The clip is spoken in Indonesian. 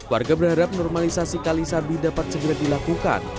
warga berharap normalisasi kalisabi dapat segera dilakukan